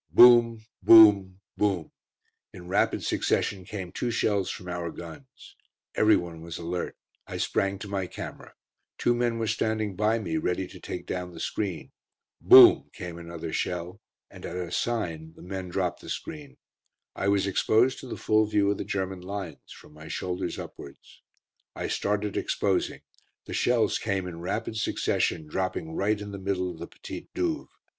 Boom boom boom. In rapid succession came two shells from our guns. Everyone was alert. I sprang to my camera. Two men were standing by me, ready to take down the screen. Boom came another shell, and at a sign the men dropped the screen. I was exposed to the full view of the German lines, from my shoulders upwards. I started exposing; the shells came in rapid succession, dropping right in the middle of the Petite Douve.